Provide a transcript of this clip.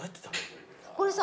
これさ。